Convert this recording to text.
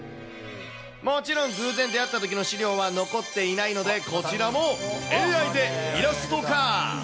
もちろん、偶然出会ったときの資料は残っていないので、こちらもＡＩでイラスト化。